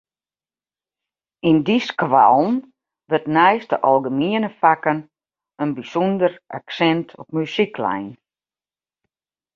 Yn dy skoallen wurdt neist de algemiene fakken in bysûnder aksint op muzyk lein.